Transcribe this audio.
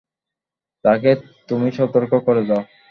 তাকে তুমি সতর্ক করে দাও।